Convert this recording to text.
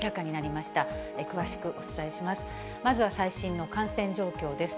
まずは最新の感染状況です。